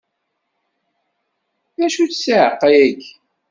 D acu-tt ssiεqa-agi?